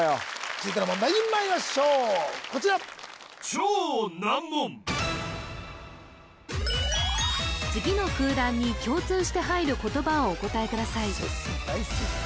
続いての問題にまいりましょうこちら次の空欄に共通して入る言葉をお答えください